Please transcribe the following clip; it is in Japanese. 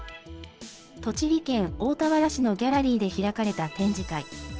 栃木県大田原市のギャラリーで開かれた展示会。